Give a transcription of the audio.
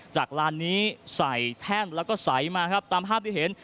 ลานนี้ใส่แท่นแล้วก็ใสมาครับตามภาพที่เห็น